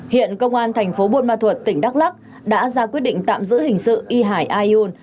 hiện công an thành phố buôn ma thuật tỉnh đắk lắc đã ra quyết định tạm giữ hình sự y hải ayun